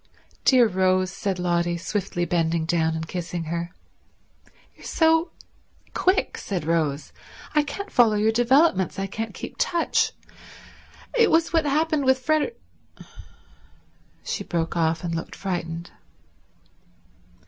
"Dear Rose," said Lotty, swiftly bending down and kissing her. "You're so quick," said Rose. "I can't follow your developments. I can't keep touch. It was what happened with Freder—" She broke off and looked frightened.